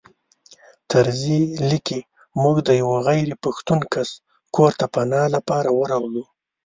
طرزي لیکي موږ د یوه غیر پښتون کس کور ته پناه لپاره ورغلو.